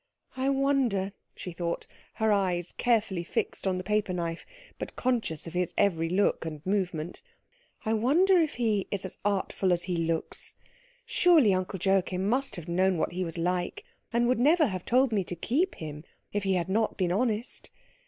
"I wonder," she thought, her eyes carefully fixed on the paper knife, but conscious of his every look and movement, "I wonder if he is as artful as he looks. Surely Uncle Joachim must have known what he was like, and would never have told me to keep him if he had not been honest.